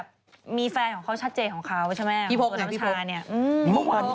พี่โพก